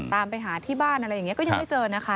ตามไปหาที่บ้านอะไรอย่างนี้ก็ยังไม่เจอนะคะ